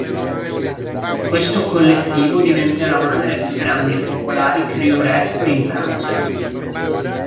Questo collettivo diventerà una delle più grandi e popolari crew rap in Francia.